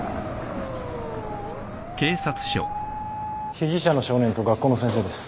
被疑者の少年と学校の先生です。